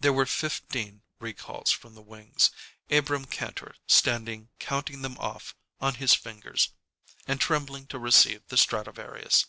There were fifteen recalls from the wings, Abrahm Kantor standing counting them off on his fingers and trembling to receive the Stradivarius.